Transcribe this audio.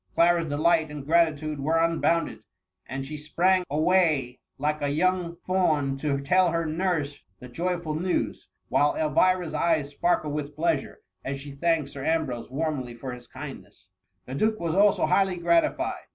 *' Clara's delight and gratitude were unbound ed, and she sprang away like a young fawn to tell her nurse the jojrful news, while Elvira's eyes sparkled with pleasure, as she thanked Sir Ambrose warmly for his kindness. THE MOMMV. 81 The duke was also highly gratified.